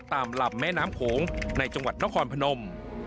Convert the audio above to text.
ตามลำแม่น้ำโขงในจังหวัดนครพนม